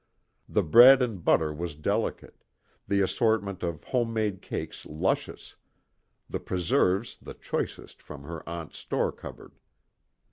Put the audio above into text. The bread and butter was delicate, the assortment of home made cakes luscious, the preserves the choicest from her aunt's store cupboard.